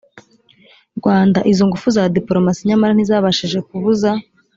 rwanda izo ngufu za diporomasi nyamara ntizabashije kubuza